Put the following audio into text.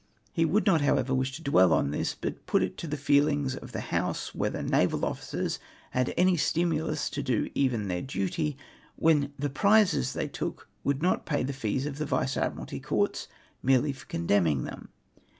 He would not, however, Avish to dwell on this, but put it to the feelings of the House, whether naval officers had any stimulus to do even their duty, when the prizes they took would not pay the fees of the Vice Ad miralty Courts merely for condemning them